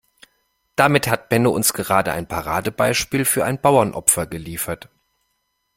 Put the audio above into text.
Damit hat Benno uns gerade ein Paradebeispiel für ein Bauernopfer geliefert.